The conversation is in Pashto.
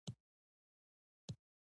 هغې سر وڅنډه ويم نوکان ژوو.